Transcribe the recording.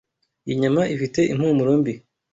Iyi nyama ifite impumuro mbi.